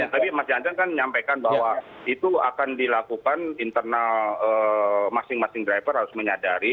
tapi mas jansen kan menyampaikan bahwa itu akan dilakukan internal masing masing driver harus menyadari